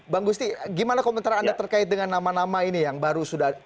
bang gusti gimana komentar anda terkait dengan nama nama ini yang baru sudah